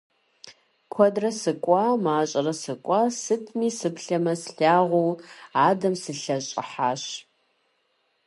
Куэдрэ сыкӀуа, мащӀэрэ сыкӀуа, сытми, сыплъэмэ слъагъуу адэм сылъэщӀыхьащ.